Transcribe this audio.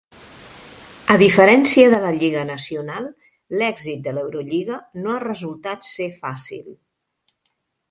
A diferència de la lliga nacional, l'èxit de l'Eurolliga no ha resultat ser fàcil.